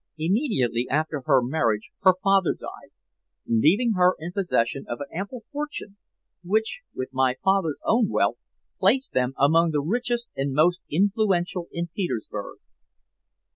Immediately after her marriage her father died, leaving her in possession of an ample fortune, which, with my father's own wealth, placed them among the richest and most influential in Petersburg.